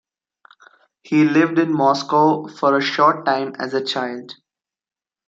He lived in Moscow for a short time as a child.